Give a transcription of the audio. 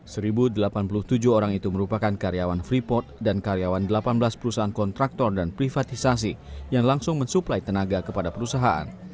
satu delapan puluh tujuh orang itu merupakan karyawan freeport dan karyawan delapan belas perusahaan kontraktor dan privatisasi yang langsung mensuplai tenaga kepada perusahaan